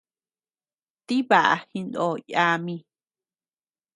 Tibaʼa jinoo yami.